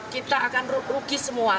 kita akan rugi semua